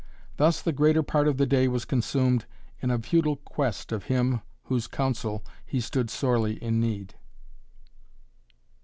Thus the greater part of the day was consumed in a futile quest of him of whose counsel he stood sorely in need.